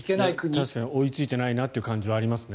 確かに追いついていないという感じはありますね。